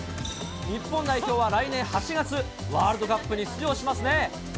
日本代表は来年８月、ワールドカップに出場しますね。